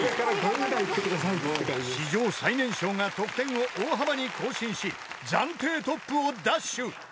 ［史上最年少が得点を大幅に更新し暫定トップを奪取］